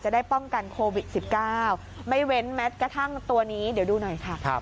ได้ป้องกันโควิด๑๙ไม่เว้นแม้กระทั่งตัวนี้เดี๋ยวดูหน่อยค่ะ